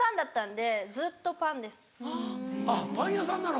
あっパン屋さんなの。